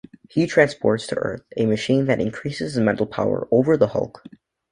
He transports to Earth a machine that increases his mental power over the Hulk.